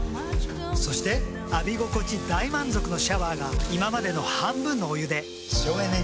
そして浴び心地大満足のシャワーが今までの半分のお湯で省エネに。